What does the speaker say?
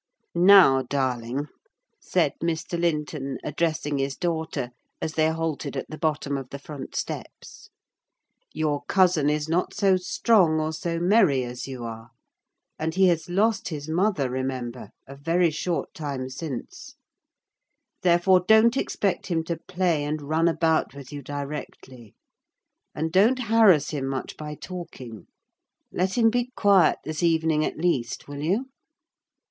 "Now, darling," said Mr. Linton, addressing his daughter, as they halted at the bottom of the front steps: "your cousin is not so strong or so merry as you are, and he has lost his mother, remember, a very short time since; therefore, don't expect him to play and run about with you directly. And don't harass him much by talking: let him be quiet this evening, at least, will you?"